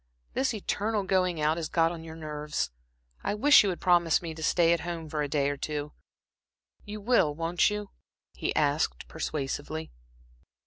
This eternal going out has got on your nerves. I wish you would promise me to stay at home for a day or two. You will, won't you?" he asked, persuasively.